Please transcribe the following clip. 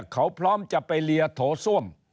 เขาพร้อมจะไปเลียโถส้วม